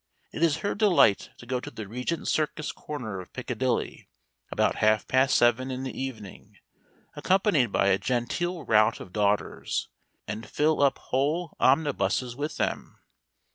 It is her delight to go to the Regent Circus corner of Piccadilly, about half past seven in the evening, accompanied by a genteel rout of daughters, and fill up whole omnibuses with them.